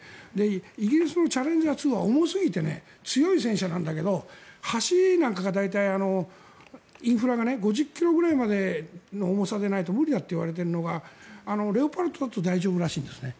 イギリスのチャレンジャー２は重すぎて強い戦車なんだけど橋なんかが、大体インフラが５０ｋｇくらいまでの重さでないと無理だといわれているのがレオパルト２は大丈夫らしいんですね。